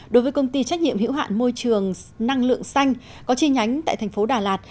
đối với công ty trách nhiệm hiểu hạn môi trường năng lượng xanh có chi nhánh tại tp đà lạt